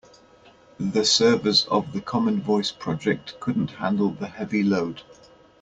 The servers of the common voice project couldn't handle the heavy load.